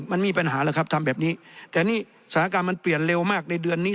มันมีปัญหาแล้วครับทำแบบนี้แต่นี่สถานการณ์มันเปลี่ยนเร็วมากในเดือนนี้